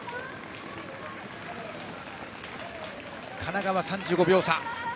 神奈川で３５秒差。